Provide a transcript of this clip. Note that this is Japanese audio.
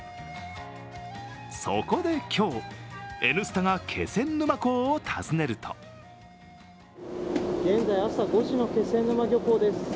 そこで今日、「Ｎスタ」が気仙沼港を訪ねると現在、朝５時の気仙沼漁港です。